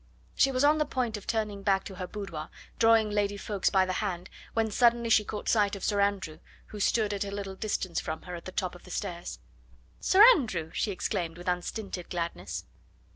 She was on the point of turning back to her boudoir, drawing Lady Ffoulkes by the hand, when suddenly she caught sight of Sir Andrew, who stood at a little distance from her, at the top of the stairs. "Sir Andrew!" she exclaimed with unstinted gladness.